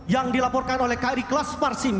yang dilaporkan oleh kri kelas marsim